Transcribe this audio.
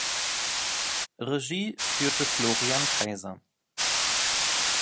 Regie führte Florian Kaiser.